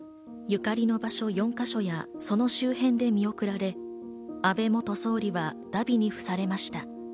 ゆかりの場所４か所やその周辺で見送られ、安倍元総理は荼毘に付されました。